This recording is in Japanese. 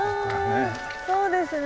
そうですよね。